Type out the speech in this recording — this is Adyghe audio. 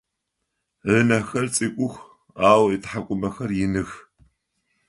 Ынэхэр цӏыкӏух ау ытхьакӏумэхэр иных.